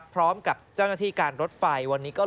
พร้อมกับเจ้าหน้าที่การรถไฟ